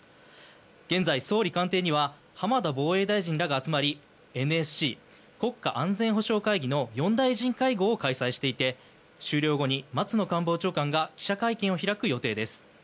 現在、総理官邸には浜田防衛大臣らが集まりＮＳＣ・国家安全保障会議の４大臣会合を開催していて終了後に松野官房長官が記者会見を開く予定です。